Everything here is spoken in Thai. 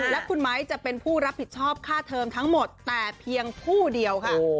และคุณไม้จะเป็นผู้รับผิดชอบค่าเทอมทั้งหมดแต่เพียงผู้เดียวค่ะ